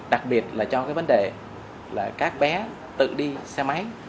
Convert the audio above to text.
đặc biệt là cho cái vấn đề là các bé tự đi xe máy